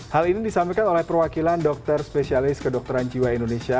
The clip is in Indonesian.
hal ini disampaikan oleh perwakilan dokter spesialis kedokteran jiwa indonesia